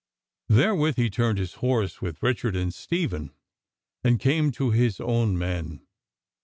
Therewith he turned his horse with Richard and Stephen and came to his own men.